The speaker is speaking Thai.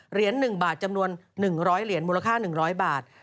เหรียญ๑บาทจำนวน๑๐๐เหรียญมูลค่า๑๐๐บาท